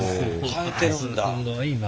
変えてるんだ。